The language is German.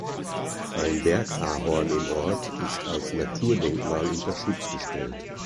Ein Bergahorn im Ort ist als Naturdenkmal unter Schutz gestellt.